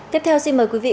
tiếp theo xin mời quý vị